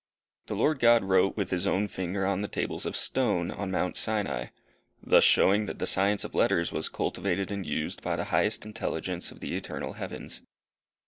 The Lord God wrote with His own finger on the "tables of stone," on Mount Sinai; thus showing that the science of letters was cultivated and used by the highest Intelligence of the eternal heavens.